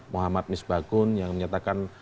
muhammad misbakun yang menyatakan